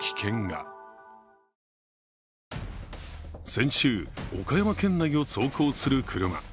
先週、岡山県内を走行する車。